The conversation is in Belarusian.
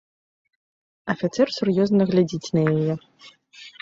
Афіцэр сур'ёзна глядзіць на яе.